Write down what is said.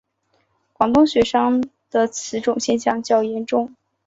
广东学生的此种现象较严重。